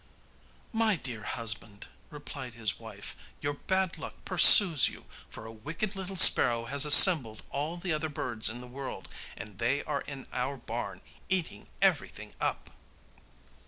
'My dear husband,' replied his wife, 'your bad luck pursues you, for a wicked little sparrow has assembled all the other birds in the world, and they are in our barn eating everything up.